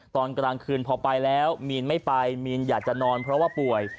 ตอนกลางคืนพอไปแล้วมีนไม่ไปมีนอยากจะนอนเพราะว่าป่วย